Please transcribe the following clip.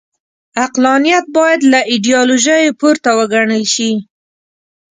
عقلانیت باید له ایډیالوژیو پورته وګڼل شي.